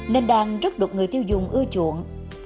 nên đang rất được người tiêu dùng ưa chuộng